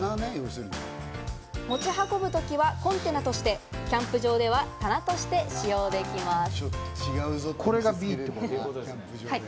持ち運ぶときはコンテナとして、キャンプ場では棚として使用できます。